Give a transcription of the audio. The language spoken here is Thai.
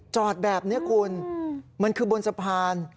จอดแบบนี้คุณมันคือบนสะพาน